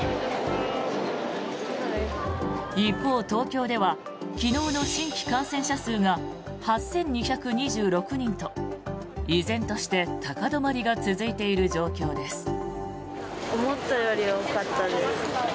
一方、東京では昨日の新規感染者数が８２２６人と依然として高止まりが続いている状況です。